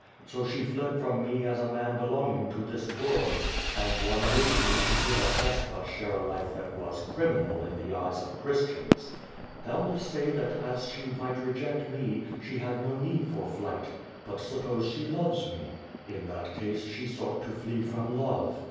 So she fled from me as a man belonging to this world, and one with whom she could at best but share a life that was crimi< QVO VADIS. 223 nal in the eyes of Christians. Thou wilt say that as she might reject me, she had no need for flight. ]>ut suppose she loves me? In that case she sought to flee from love.